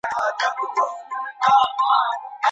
له قصد او اختيار څخه مراد اراده ده.